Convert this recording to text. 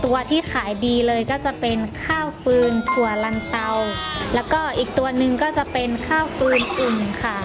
ตัวที่ขายดีเลยก็จะเป็นข้าวฟืนถั่วลันเตาแล้วก็อีกตัวหนึ่งก็จะเป็นข้าวปืนสุ่มค่ะ